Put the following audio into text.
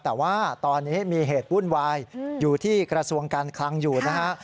แต่ว่าตอนนี้มีเหตุวุ่นวายอยู่ที่กระทรวงการคลังอยู่นะฮะ